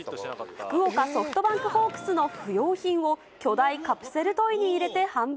福岡ソフトバンクホークスの不用品を巨大カプセルトイに入れて販売。